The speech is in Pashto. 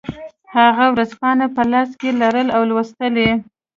هغه ورځپاڼه په لاس کې لرله او لوستله یې